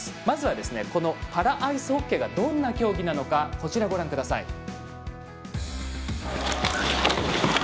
まずはこのパラアイスホッケーがどんな競技なのかご覧ください。